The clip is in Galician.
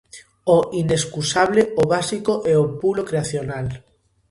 O inescusable, o básico é o pulo creacional.